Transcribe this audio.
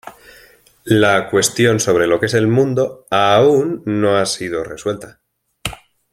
La cuestión sobre lo que es el mundo aún no ha sido resuelta.